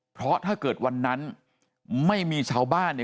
เพราะถ้าเกิดวันนั้นไม่มีชาวบ้านเนี่ย